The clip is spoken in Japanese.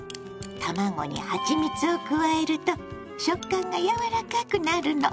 卵にはちみつを加えると食感がやわらかくなるの。